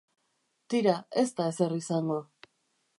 Tira, ez da ezer izango.